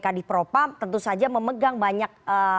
kadir propam tentu saja memegang banyak